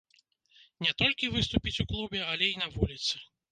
Не толькі выступіць у клубе, але і на вуліцы.